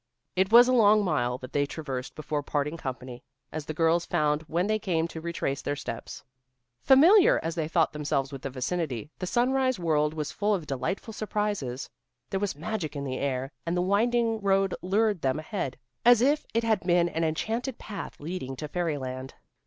It was a long mile that they traversed before parting company, as the girls found when they came to retrace their steps. Familiar as they thought themselves with the vicinity, the sunrise world was full of delightful surprises. There was magic in the air, and the winding road lured them ahead, as if it had been an enchanted path leading to fairyland.